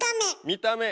見た目。